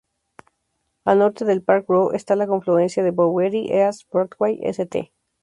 Al norte de Park Row está la confluencia de Bowery, East Broadway, St.